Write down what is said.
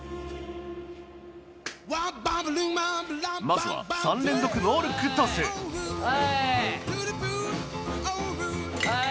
まずは３連続ノールックトスはい。